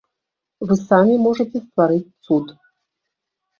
Вы самі можаце стварыць цуд!